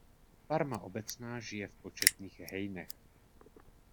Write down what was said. Parma obecná žije v početných hejnech.